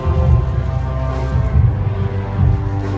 สโลแมคริปราบาล